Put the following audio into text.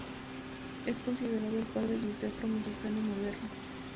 Es considerado el padre del teatro mexicano moderno.